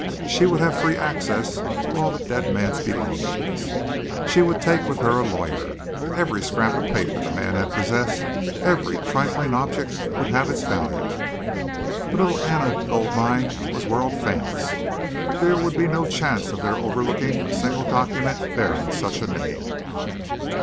She would have free access to all the dead man's belongings. She would take with her a lawyer. Every scrap of paper the man had possessed, every trifling object, would have its value. The Little Anna Gold Mine was world famous. There would be no chance of their overlooking a single document bearing such a name.